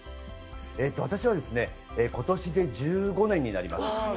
私はですね、ことしで１５年になります。